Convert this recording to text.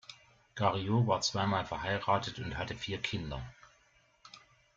Garriott war zwei Mal verheiratet und hatte vier Kinder.